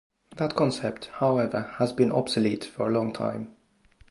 That concept, however, has been obsolete for a long time.